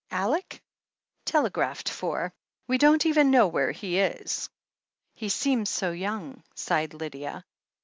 "Aleck?" "Telegraphed for. We don't even know where he is." "He seems so young," sighed Lydia.